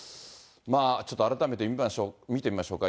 ちょっと改めて見てみましょうか。